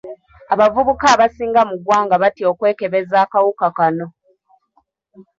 Abavubuka abasinga mu ggwanga batya okwekebeza akawuka kano.